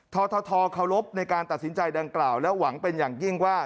ททเคารพในการตัดสินใจดังกล่าวและหวังเป็นอย่างยิ่งว่า